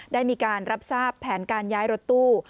ได้มีการรับทราบแผนการย้ายรถตู้